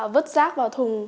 vứt rác vào thùng